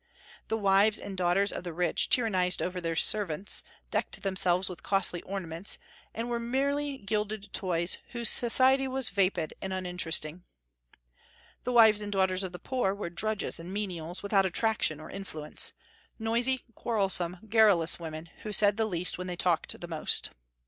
The wives and daughters of the rich tyrannized over their servants, decked themselves with costly ornaments, and were merely gilded toys, whose society was vapid and uninteresting. The wives and daughters of the poor were drudges and menials, without attraction or influence; noisy, quarrelsome, garrulous women, who said the least when they talked the most.